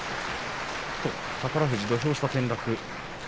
宝富士、土俵下、転落。